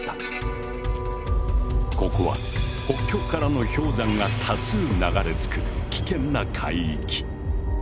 ここは北極からの氷山が多数流れ着く危険な海域。